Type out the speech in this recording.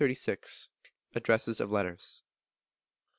Addresses of Letters.